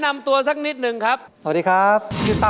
อายุ๓๔ปีครับผม